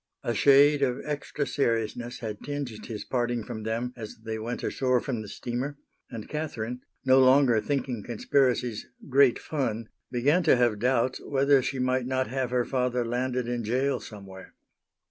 A shade of extra seriousness had tinged his parting from them as they went ashore from the steamer, and Catherine, no longer thinking conspiracies "great fun," began to have doubts whether she might not have her father landed in jail somewhere.